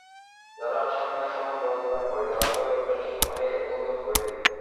যাঁরা সাম্যের সমাজ গড়ে তোলেন, প্রয়োজনে হয়ে ওঠেন সমাজের অতন্দ্র প্রহরী।